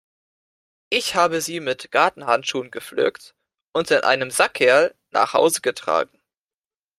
Ich habe sie mit Gartenhandschuhen gepflückt und in einem Sackerl nach Hause getragen.